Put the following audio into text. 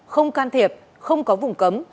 không can thiệp không có vùng cấm